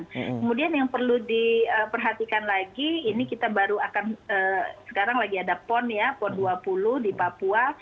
kemudian yang perlu diperhatikan lagi ini kita baru akan sekarang lagi ada pon ya pon dua puluh di papua